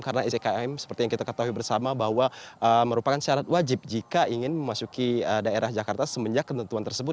karena skm seperti yang kita ketahui bersama bahwa merupakan syarat wajib jika ingin memasuki daerah jakarta semenjak ketentuan tersebut